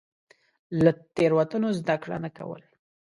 له تېروتنو زده کړه نه کول.